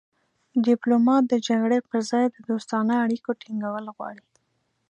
ډیپلومات د جګړې پر ځای د دوستانه اړیکو ټینګول غواړي